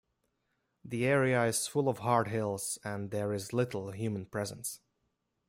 The area is full of hard hills, and there is little human presence.